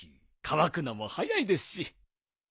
乾くのも早いですし。